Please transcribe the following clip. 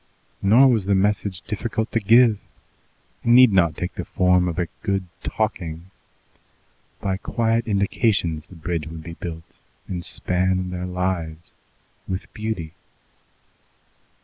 Nor was the message difficult to give. It need not take the form of a good "talking." By quiet indications the bridge would be built and span their lives with beauty.